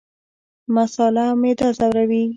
مساله معده ځوروي